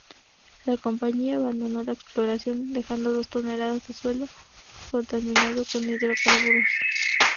La compañía abandonó la exploración dejando dos toneladas de suelo contaminado con hidrocarburos.